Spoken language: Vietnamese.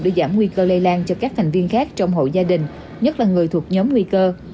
để giảm nguy cơ lây lan cho các thành viên khác trong hộ gia đình nhất là người thuộc nhóm nguy cơ